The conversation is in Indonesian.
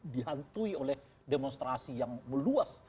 dihantui oleh demonstrasi yang meluas